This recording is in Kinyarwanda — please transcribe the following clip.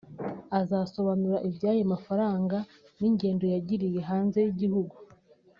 azasobanura iby’ayo mafaranga n’ingendo yagiriye hanze y’igihugu